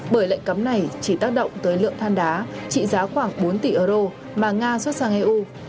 bởi lệnh cấm này chỉ tác động tới lượng than đá trị giá khoảng bốn tỷ euro mà nga xuất sang eu